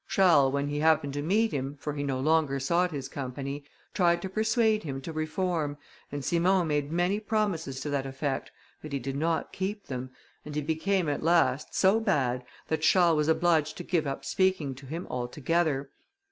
Charles, when he happened to meet him, for he no longer sought his company, tried to persuade him to reform, and Simon made many promises to that effect, but he did not keep them, and he became at last so bad, that Charles was obliged to give up speaking to him altogether.